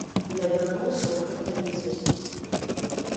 Для беларусаў гэта нізасць.